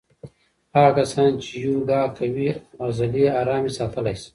هغه کسان چې یوګا کوي عضلې آرامې ساتلی شي.